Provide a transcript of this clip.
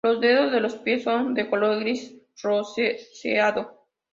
Los dedos de los pies son de color gris-roseado.